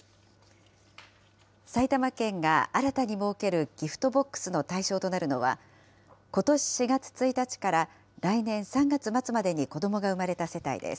埼玉県が新たに設けるギフトボックスの対象となるのは、ことし４月１日から来年３月末までに子どもが生まれた世帯です。